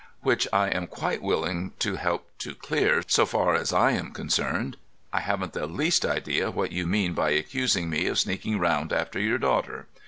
"Which I am quite willing to help to clear, so far as I am concerned. I haven't the least idea what you mean by accusing me of sneaking round after your daughter.